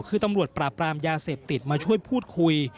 คือตำรวจปราบรามยาเสพติดมาช่วยพูดคุย